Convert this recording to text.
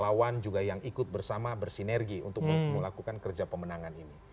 relawan juga yang ikut bersama bersinergi untuk melakukan kerja pemenangan ini